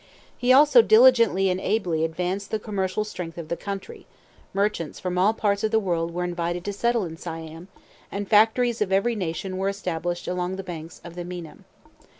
He also diligently and ably advanced the commercial strength of the country; merchants from all parts of the world were invited to settle in Siam, and factories of every nation were established along the banks of the Meinam.